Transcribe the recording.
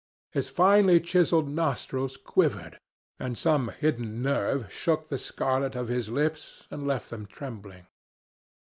His finely chiselled nostrils quivered, and some hidden nerve shook the scarlet of his lips and left them trembling.